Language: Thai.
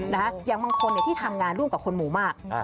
อย่างบางคนที่ทำงานร่วมกับคนหมู่มาก